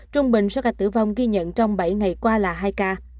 trung bình số ca tử vong ghi nhận trong bảy ngày qua là hai ca